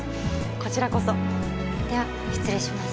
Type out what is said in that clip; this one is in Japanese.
こちらこそでは失礼します